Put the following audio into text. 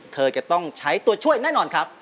เธอจะต้องใช้ตัวช่วยแน่นอนครับ